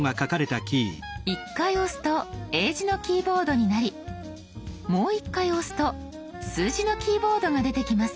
１回押すと英字のキーボードになりもう１回押すと数字のキーボードが出てきます。